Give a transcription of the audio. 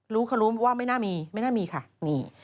รู้เขารู้ว่าไม่น่ามีไม่น่ามีค่ะมี